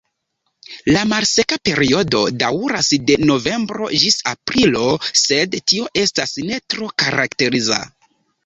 La malseka periodo daŭras de novembro ĝis aprilo, sed tio estas ne tro karakteriza.